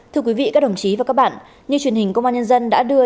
thưa quý vị các đồng chí và các bạn như truyền hình công an nhân dân đã đưa